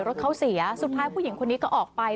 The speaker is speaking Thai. รถเขาเสียสุดท้ายผู้หญิงคนนี้ก็ออกไป